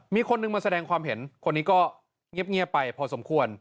มีคนนึงมาแสดงความเห็นคนนี้ก็เงียบไปพอสมควร